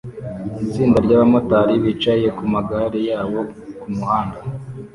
Itsinda ry'abamotari bicaye ku magare yabo ku muhanda